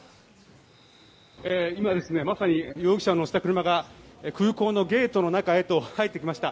今まさに容疑者を乗せた車が空港のゲートの中へと入っていきました。